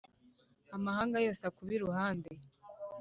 Amahanga yose akube iruhande.